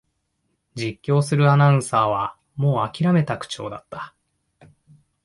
実況するアナウンサーはもうあきらめた口調だった